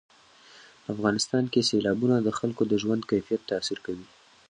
افغانستان کې سیلابونه د خلکو د ژوند کیفیت تاثیر کوي.